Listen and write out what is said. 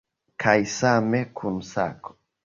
Kaj same kun sako.